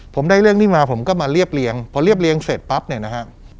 ผมได้เรื่องนี้มาผมก็มาเรียบเรียงพอเรียบเรียงเสร็จปั๊บเนี่ยนะฮะ